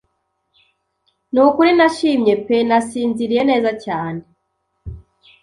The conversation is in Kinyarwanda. Ni ukuri nashimye pe. Nasinziriye neza cyane.